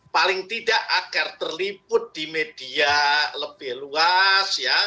paling tidak akar terliput di media lebih luas